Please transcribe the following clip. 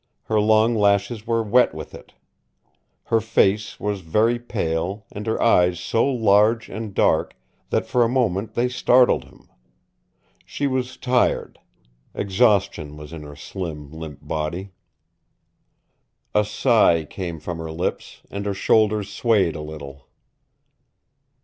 Her long lashes were wet with it. Her face was very pale, and her eyes so large and dark that for a moment they startled him. She was tired. Exhaustion was in her slim, limp body. A sigh came from her lips, and her shoulders swayed a little.